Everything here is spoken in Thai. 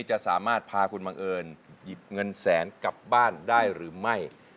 จะสามารถพาคุณบังเอิญหยิบเงินแสนกลับบ้านได้หรือไม่